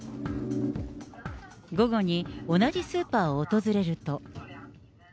午後に、同じスーパーを訪れると。